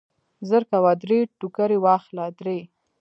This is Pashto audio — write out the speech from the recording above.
زرکوه درې ټوکرۍ واخله درې.